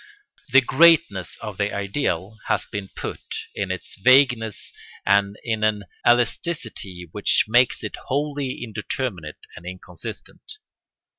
The greatness of the ideal has been put in its vagueness and in an elasticity which makes it wholly indeterminate and inconsistent.